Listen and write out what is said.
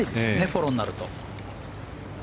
フォローになると。